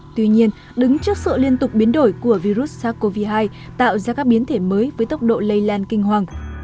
tuy nhiên đứng trước sự liên tục biến đổi của virus sars cov hai tạo ra các biến thể mới với tốc độ lây lan kinh hoàng